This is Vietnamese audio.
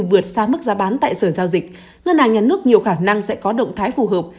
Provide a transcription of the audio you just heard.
vượt xa mức giá bán tại sở giao dịch ngân hàng nhà nước nhiều khả năng sẽ có động thái phù hợp